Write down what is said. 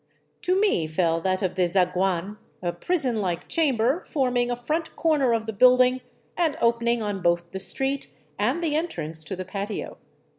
To me fell that of the zaguan, a prison like chamber forming a front corner of the building ana opening on both the street and the entrance to the patio.